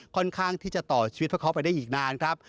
ค่อนข้างที่จะต่อชีวิตพวกเขาไปได้อีกนานครับ